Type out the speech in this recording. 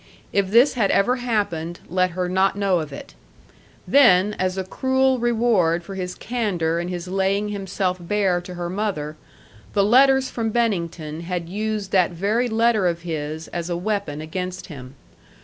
If this had ever happened, let her not know of it. Then, as a cruel reward for his candor and his laying himself bare to her mother, the letters from Bennington had used that very letter of his as a weapon against him.